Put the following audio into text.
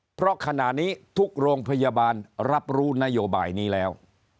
เพราะขณะนี้ทุกโรงพยาบาลรับรู้นโยบายนี้แล้ว